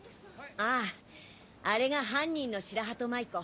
あぁあれが犯人の白鳩舞子。